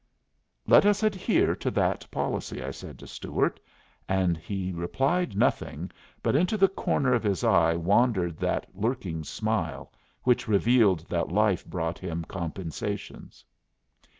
"Let us adhere to that policy," I said to Stuart; and he replied nothing, but into the corner of his eye wandered that lurking smile which revealed that life brought him compensations.